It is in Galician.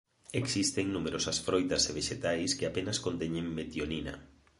Existen numerosas froitas e vexetais que apenas conteñen metionina.